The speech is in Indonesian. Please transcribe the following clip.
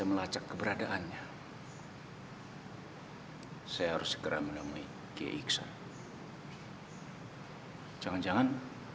kalau tidak mungkin gw kayak jou zijit